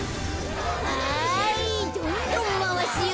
はいどんどんまわすよ。